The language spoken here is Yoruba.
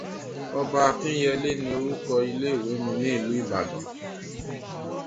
Ọba Akínyẹlé ni orúkọ ilé ìwé mi ní ìlú Ìbàdàn